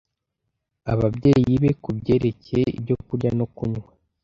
ababyeyi be ku byerekeye ibyo kurya no kunywa